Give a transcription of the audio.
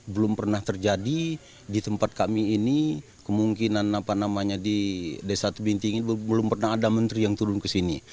belum pernah terjadi di tempat kami ini kemungkinan apa namanya di desa tubinting ini belum pernah ada menteri yang turun ke sini